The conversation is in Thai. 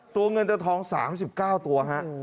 ตัวเงินจะท้อง๓๙ตัว